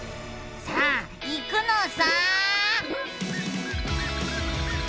さあいくのさ！